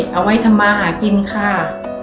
เอาไว้ทำมาหากินค่ะ